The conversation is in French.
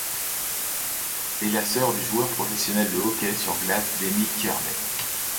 Elle est la sœur du joueur professionnel de hockey sur glace Denny Kearney.